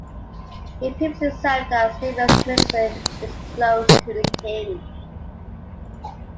He previously served as Defence Minister and is close to the king.